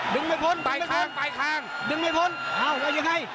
ดึงไม่พ้นไปข้างดึงไม่พ้นโอ้วว่ายังไง